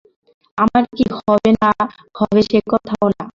আমার কী হবে না হবে সেকথাও না।